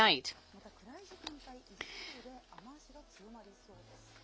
また暗い時間帯、伊豆諸島で雨足が強まりそうです。